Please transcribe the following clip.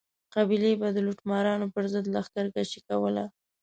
قبیلې به د لوټمارانو پر ضد لښکر کشي کوله.